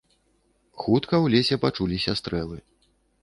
Хутка у лесе пачуліся стрэлы.